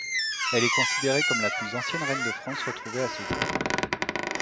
Elle est considérée comme la plus ancienne reine de France retrouvée à ce jour.